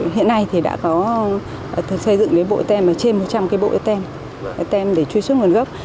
hiện nay thì đã có xây dựng cái bộ tem trên một trăm linh cái bộ tem tem để truy xuất nguồn gốc